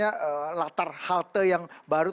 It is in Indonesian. baru di jelaskan oleh pak anies